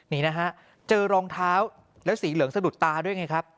นี่นะฮะเจอรองเท้าแล้วสีเหลืองสะดุดตาด้วยไงครับ